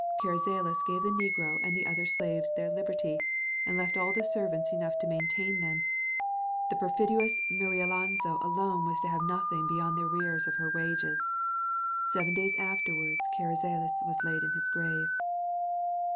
Carrizales gave the negro and the other slaves their liberty, and left all the servants enough to maintain them; the perfidious Marialonso alone was to have nothing beyond the arrears of her wages. Seven days afterwards Carrizales was laid in his grave.